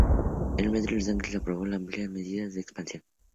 El metro de Los Ángeles aprobó una amplia medida para expansión.